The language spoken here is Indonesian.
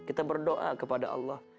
kita berdoa kepada allah